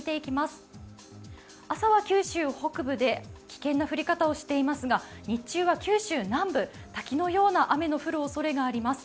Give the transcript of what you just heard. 朝は九州北部で危険な降り方をしていますが日中は九州南部、滝のような雨が降るおそれがあります。